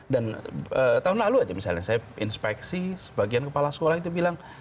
dan tahun lalu aja misalnya saya inspeksi sebagian kepala sekolah itu bilang